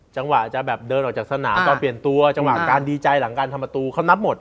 จังหวะจะแบบเดินออกจากสนามตอนเปลี่ยนตัวจังหวะการดีใจหลังการทำประตูเขานับหมด